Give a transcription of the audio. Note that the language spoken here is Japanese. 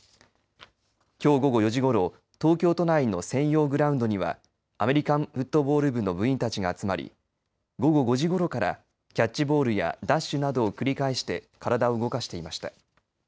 きょう午後４時ごろ東京都内の専用グラウンドにはアメリカンフットボール部の部員たちが集まり午後５時ごろからキャッチボールやダッシュなどを繰り返して体を動かしていました。